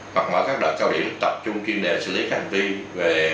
hoặc mở các đợt cao điểm tập trung chuyên đề xử lý các hành vi